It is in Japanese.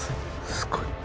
すごい。